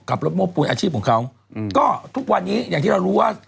โม้ปูนอาชีพของเขาก็ทุกวันนี้อย่างที่เรารู้ว่า